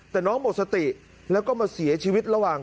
แต่น้องหมดสติแล้วก็มาเสียชีวิตระหว่าง